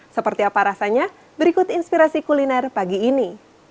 seperti apa rasanya berikut inspirasi kuliner pagi ini